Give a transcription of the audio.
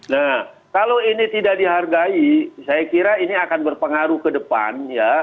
nah kalau ini tidak dihargai saya kira ini akan berpengaruh ke depan ya